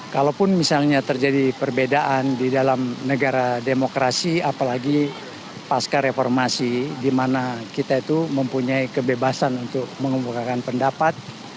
kalaupun misalnya terjadi perbedaan di dalam negara demokrasi apalagi pasca reformasi di mana kita itu mempunyai kebebasan untuk mengumpulkan pendapat